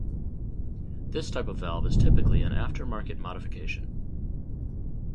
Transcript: This type of valve is typically an aftermarket modification.